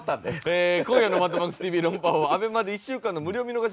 今夜の『マッドマックスＴＶ論破王』はＡＢＥＭＡで１週間の無料見逃し配信をいたします。